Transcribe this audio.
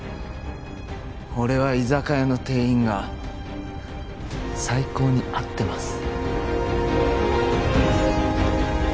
俺は居酒屋の店員が最高に合ってます。